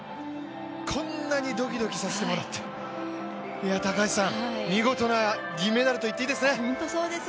こんなにドキドキさせてもらって、いや高橋さん、見事な銀メダルといっていいですね。